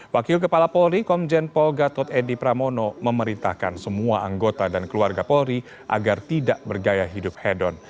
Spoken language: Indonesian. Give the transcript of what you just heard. wakil kepala polri komjen paul gatot edi pramono memerintahkan semua anggota dan keluarga polri agar tidak bergaya hidup hedon